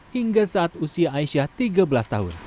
hingga saat usia aisyah tiga belas tahun